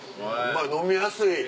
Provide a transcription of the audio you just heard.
飲みやすい。